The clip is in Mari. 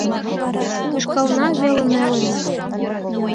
Ышкална веле неле лие.